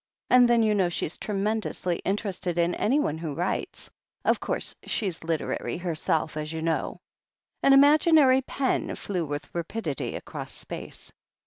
And then you know she's tremendously interested in anyone who writes — of course, she's literary herself, as you know." An imaginary pen flew with rapidity across space.